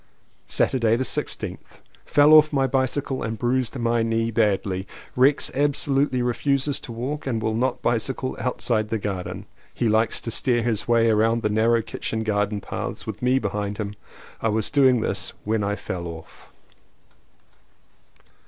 Saturday the 16th. Fell off my bicycle and bruised my knee badly. Rex absolutely refuses to walk and will not bicycle outside the garden. 209 CONFESSIONS OF TWO BROTHERS He likes to steer his way round the narrow kitchen garden paths with me behind him. I was doing this when I fell off.